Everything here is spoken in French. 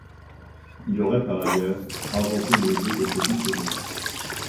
Il aurait, par ailleurs, inventé le jeu des petits chevaux.